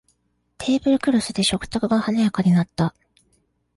テーブルクロスで食卓が華やかになった